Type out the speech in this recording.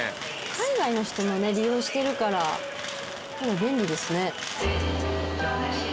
海外の人も利用してるから便利ですね。